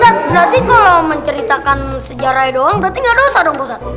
pak ustadz berarti kalau menceritakan sejarahnya doang berarti gak dosa dong pak ustadz